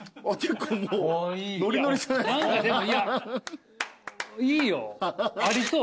何かでもいやいいよ。ありそう。